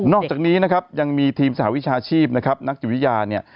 อกจากนี้นะครับยังมีทีมสหวิชาชีพนะครับนักจิตวิทยาเนี่ย